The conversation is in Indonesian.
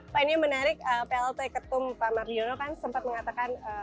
pak ini menarik plt ketum pak mardiono kan sempat mengatakan